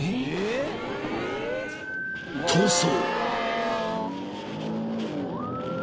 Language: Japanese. ［逃走］